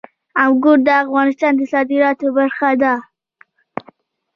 انګور د افغانستان د صادراتو برخه ده.